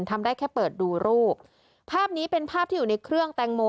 ทำได้แค่เปิดดูรูปภาพนี้เป็นภาพที่อยู่ในเครื่องแตงโม